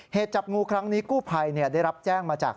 จับงูครั้งนี้กู้ภัยได้รับแจ้งมาจาก